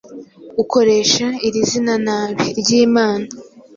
ukoresha iri zina nabi.ry' imana